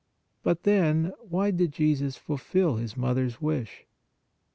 But then why did Jesus fulfil His Mother s wish?